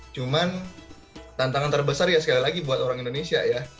cuman tantangan terbesar ya sekali lagi buat orang indonesia ya